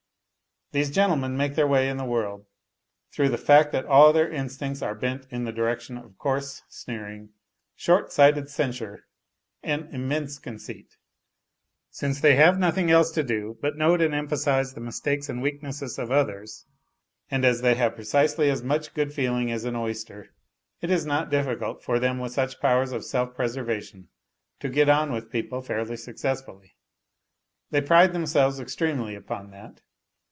These gentlemen make their way in the world through the fact that all their instincts are bent in the direction of coarse sneering, short sighted censure and immense conceit. Since they have nothing else to do but note and emphasize the mistakes and weaknesses of others, and as they have precisely as much good feeling as an oyster, it is not difficult for them with such powers of self preserva tion to get on with people fairly successfully. They pride them selves extremely upon that.